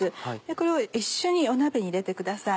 これを一緒に鍋に入れてください。